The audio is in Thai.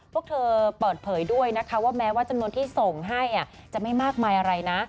พวกเธอเปิดเผยด้วยนะคะว่าแม้ว่าจำนวนที่ส่งให้จะไม่มากมายอะไรนะ